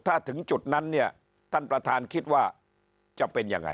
ถ้าถึงจุดนั้นเนี่ยท่านประธานคิดว่าจะเป็นยังไง